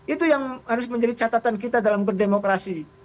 itu yang harus menjadi catatan kita dalam berdemokrasi